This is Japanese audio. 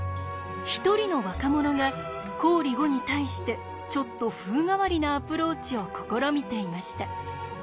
一人の若者が公理５に対してちょっと風変わりなアプローチを試みていました。